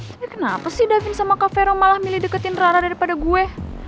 tapi kenapa sih davin sama kavero malah milih deketin ra ra daripada gue